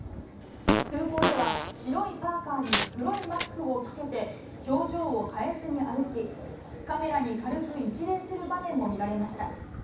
空港では白いパーカーに黒いマスクを着けて、表情を変えずに歩き、カメラに軽く一礼する場面も見られました。